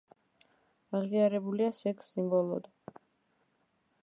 აღიარებულია სექს სიმბოლოდ.